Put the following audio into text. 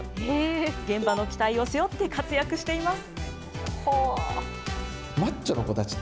現場の期待を背負って活躍しています。